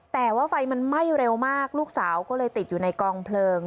แต่ว่าไฟมันไหม้เร็วมากลูกสาวก็เลยติดอยู่ในกองเพลิง